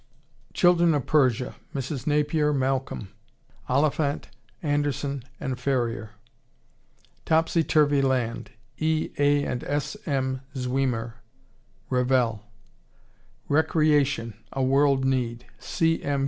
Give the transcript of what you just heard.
Children of Persia, Mrs. Napier Malcolm, (Oliphant, Anderson & Ferrier.) Topsy Turvey Land, E. A. & S. M. Zwemer, (Revell.) Recreation. A World Need. C. M.